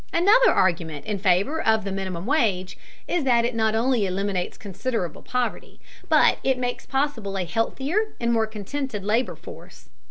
Another argument in favor of the minimum wage is that it not only eliminates considerable poverty, but it makes possible a healthier and more contented labor force.